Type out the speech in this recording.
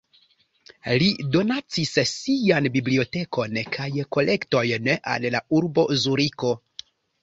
Li donacis sian bibliotekon kaj kolektojn al la urbo Zuriko.